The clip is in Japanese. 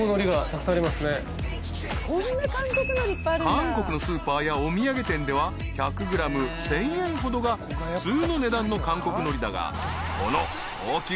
［韓国のスーパーやお土産店では１００ｇ１，０００円ほどが普通の値段の韓国のりだがこの］